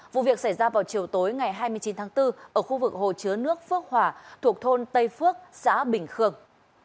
vụ việc xảy ra vào chiều tối ngày hai mươi chín tháng bốn ở khu vực hồ chứa nước phước hòa thuộc thôn tây phước xã bình khương